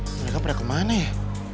murti pergi kemana sih